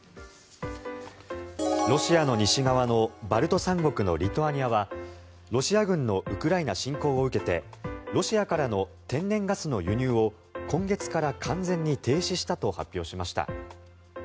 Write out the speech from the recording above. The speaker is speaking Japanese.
ロシアの西側のバルト三国のリトアニアはロシア軍のウクライナ侵攻を受けてロシアからの天然ガスの輸入を今月から完全に停止したと発表しました。